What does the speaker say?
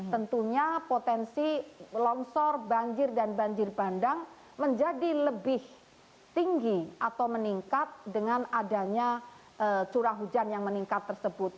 tentunya potensi longsor banjir dan banjir bandang menjadi lebih tinggi atau meningkat dengan adanya curah hujan yang meningkat tersebut